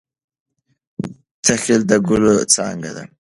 تخیل د ګلو څانګه ده.